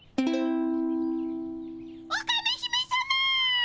オカメ姫さま！